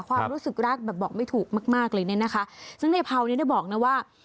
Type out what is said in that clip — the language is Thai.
ความรู้สึกรักแบบบอกไม่ถูกมากมากเลยเนี่ยนะคะซึ่งในเผาเนี่ยได้บอกนะว่า